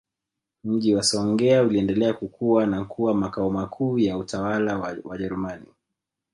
Mji wa Songea uliendelea kukua na kuwa Makao makuu ya utawala wa Wajerumani